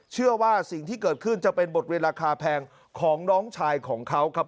เชื่อว่าสิ่งที่เกิดขึ้นจะเป็นบทเรียนราคาแพงของน้องชายของเขาครับ